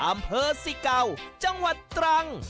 อำเภอสิเก่าจังหวัดตรัง